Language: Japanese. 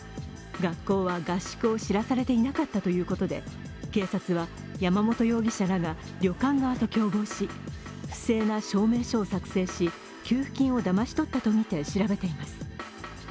学校は合宿を知らされていなかったということで警察は山本容疑者らが旅館側と共謀し不正な証明書を作成し、給付金をだまし取ったとみて調べています。